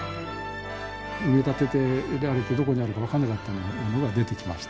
埋め立てられてどこにあるか分からなかったものが出てきました。